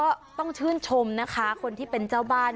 ก็ต้องชื่นชมนะคะคนที่เป็นเจ้าบ้าน